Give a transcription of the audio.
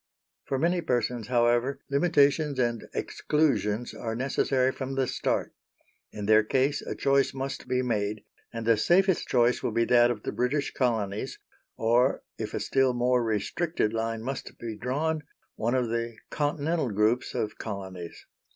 For many persons, however, limitations and exclusions are necessary from the start. In their case a choice must be made, and the safest choice will be that of the British Colonies, or, if a still more restricted line must be drawn, one of the Continental groups of Colonies.